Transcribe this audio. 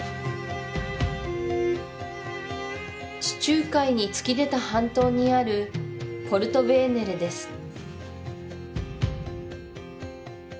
地中海に突き出た半島にあるポルトヴェーネレです